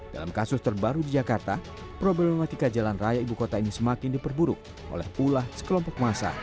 dalam kasus terbaru di jakarta problematika jalan raya ibu kota ini semakin diperburuk oleh pula sekelompok masa